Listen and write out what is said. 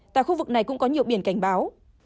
tại khu vực này cũng có nhiều biển cảnh báo